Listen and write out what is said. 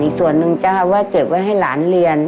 อีกส่วนนึงจะเก็บไว้ให้หลานเรียน